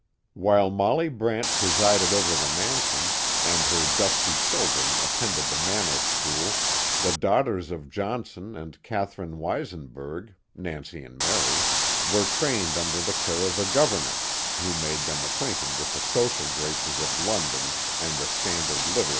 While Molly Brant presided over the mansion, and her dusky children attended the manor school, the daughters of Johnson and Catherine Weisenberg, Nancy and Mary, were trained under the care of a governess, who made them ac quainted with the social graces of London and the standard literature of England.